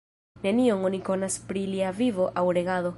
Nenion oni konas pri lia vivo aŭ regado.